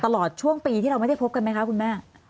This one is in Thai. ตลอดช่วงปีที่เราไม่ได้พบกันไหมคะคุณแม่